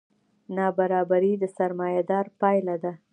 نابرابري د سرمایهدارۍ پایله ده.